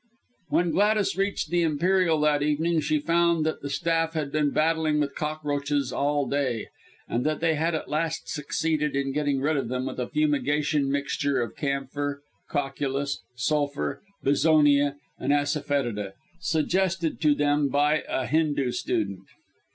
When Gladys reached the Imperial that evening, she found that the staff had been battling with cockroaches all day, and that they had at last succeeded in getting rid of them with a fumigation mixture of camphor, cocculus, sulphur, bezonia and assafoetida suggested to them by a Hindoo student.